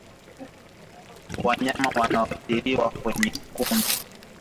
Wanyama wanaoathiriwa kwenye kundi